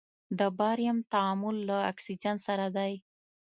د باریم تعامل له اکسیجن سره دی.